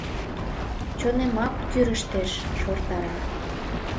Чонемак кӱрыштеш, шортара...